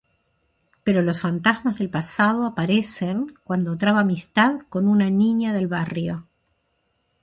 Pero los fantasmas del pasado aparecen cuando traba amistad con una niña del barrio.